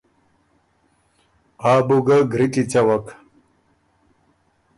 آ بو ګۀ ګری کی څوک۔